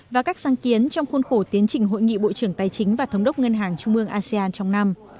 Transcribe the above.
và các sáng kiến trong khuôn khổ tiến trình hội nghị bộ trưởng tài chính và thống đốc ngân hàng trung ương asean trong năm